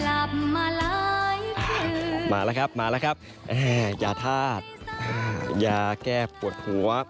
อ่ามาแล้วครับมาแล้วครับอ่ายาธาตุอ่ายาแก้ปวดหัว